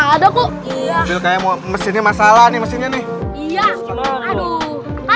ada kok kayak mau mesinnya masalah nih iya aduh